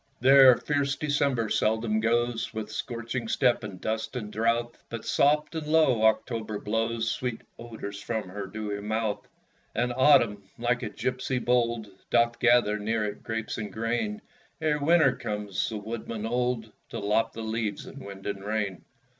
There fierce December seldom goes, With scorching step and dust and drouth; But, soft and low, October blows Sweet odours from her dewy mouth. And Autumn, like a gipsy bold, Doth gather near it grapes and grain, Ere Winter comes, the woodman old, To lop the leaves in wind and rain.